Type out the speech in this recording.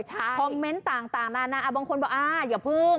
ใช่คอมเมนต์ต่างนานนะบางคนว่าอ้าวอย่าพึ่ง